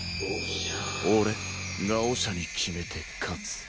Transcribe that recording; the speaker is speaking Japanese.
俺がオシャに決めて勝つ。